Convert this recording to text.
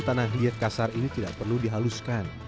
tanah diet kasar ini tidak perlu dihaluskan